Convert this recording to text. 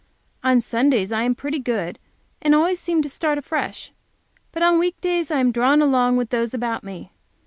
On Sundays I am pretty good, and always seem to start afresh; but on week days I am drawn along with those about me.